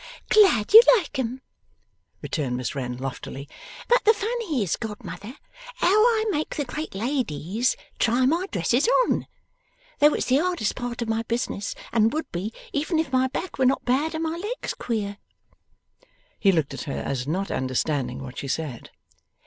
'Glad you like 'em,' returned Miss Wren, loftily. 'But the fun is, godmother, how I make the great ladies try my dresses on. Though it's the hardest part of my business, and would be, even if my back were not bad and my legs queer.' He looked at her as not understanding what she said.